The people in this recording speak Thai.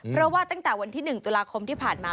เพราะว่าตั้งแต่วันที่๑ตุลาคมที่ผ่านมา